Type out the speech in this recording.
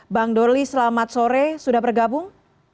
bang doli selamat sore sudah bergabung